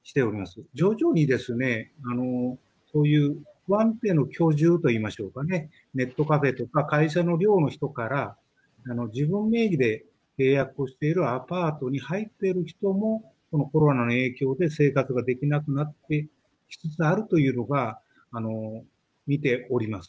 徐々にですねこういう不安定な居住といいましょうかねネットカフェとか会社の寮の人から自分名義で契約をしているアパートに入ってる人もこのコロナの影響で生活ができなくなってきつつあるというのが見ております。